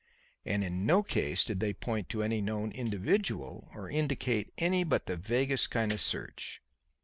And in no case did they point to any known individual or indicate any but the vaguest kind of search.